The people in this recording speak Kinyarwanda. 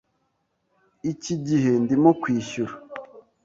Iki gihe ndimo kwishyura.